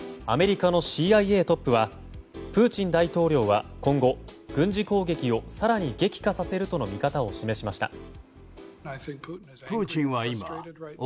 アメリカのＣＩＡトップはプーチン大統領は今後、軍事攻撃を更に激化させるとの見方を示しました。